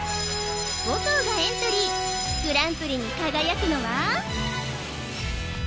５頭がエントリーグランプリに輝くのは？